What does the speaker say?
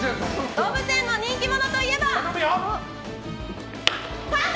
動物園の人気者といえばパンダ！